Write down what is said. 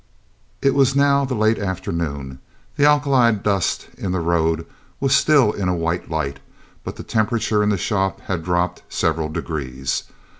It was now the late afternoon; the alkali dust in the road was still in a white light, but the temperature in the shop had dropped several degrees.